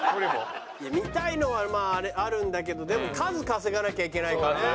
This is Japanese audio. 見たいのはあるんだけどでも数稼がなきゃいけないからね。